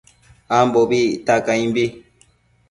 Ambobi icta caimbi